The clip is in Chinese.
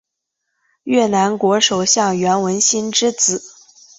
越南国首相阮文心之子。